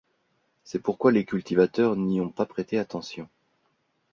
C'est pourquoi les cultivateurs n'y ont pas prêté attention.